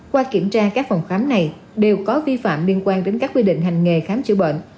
qua kiểm tra các phòng khám này đều có vi phạm liên quan đến các quy định hành nghề khám chữa bệnh